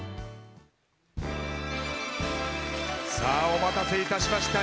お待たせいたしました。